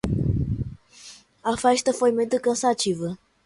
A festa foi muito cansativa.